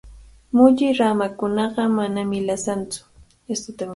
Mulli ramakunaqa manami lasantsu.